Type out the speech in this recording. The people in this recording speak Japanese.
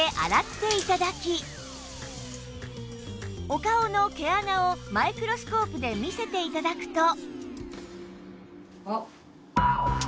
お顔の毛穴をマイクロスコープで見せて頂くと